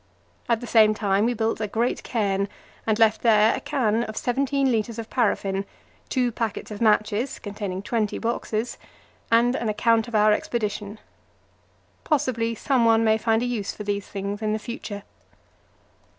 At the same time we built a great cairn, and left there a can of 17 litres of paraffin, two packets of matches containing twenty boxes and an account of our expedition. Possibly someone may find a use for these things in the future.